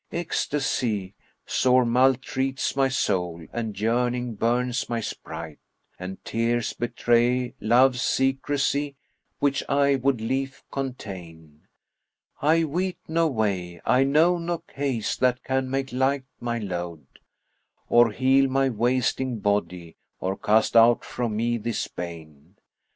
Ecstasy sore maltreats my soul and yearning burns my sprite, * And tears betray love's secresy which I would lief contain: I weet no way, I know no case that can make light my load, * Or heal my wasting body or cast out from me this bane.